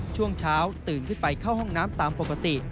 ช่วงเช้าตื่นขึ้นไปเข้าห้องน้ำตามปกติ